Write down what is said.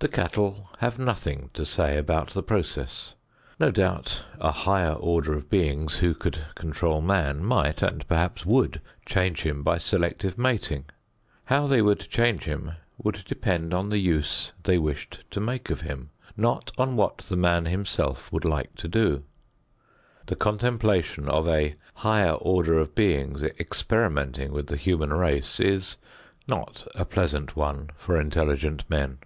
The cattle have nothing to say about the process. No doubt a higher order of beings who could control man might, and perhaps would change him by selective mating. How they would change him would depend on the use they wished to make of him, not on what the man himself would like to do. The contemplation of a higher order of beings experimenting with the human race is not a pleasant one for intelligent men.